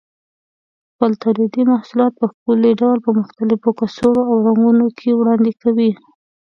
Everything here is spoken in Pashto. خپل تولیدي محصولات په ښکلي ډول په مختلفو کڅوړو او رنګونو کې وړاندې کوي.